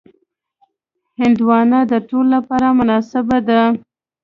هندوانه د ټولو لپاره مناسبه ده.